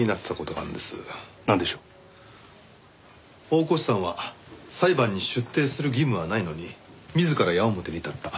大河内さんは裁判に出廷する義務はないのに自ら矢面に立った。